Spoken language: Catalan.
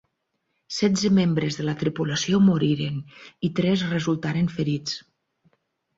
Setze membres de la tripulació moriren i tres resultaren ferits.